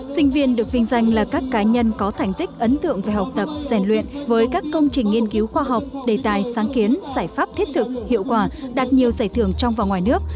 sinh viên được vinh danh là các cá nhân có thành tích ấn tượng về học tập rèn luyện với các công trình nghiên cứu khoa học đề tài sáng kiến giải pháp thiết thực hiệu quả đạt nhiều giải thưởng trong và ngoài nước